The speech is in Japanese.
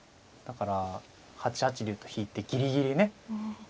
だから８八竜と引いてギリギリね。